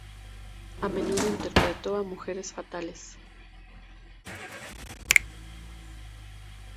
A menudo interpretó a mujeres fatales.